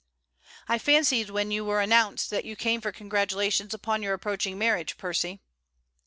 'I fancied when you were announced that you came for congratulations upon your approaching marriage, Percy.'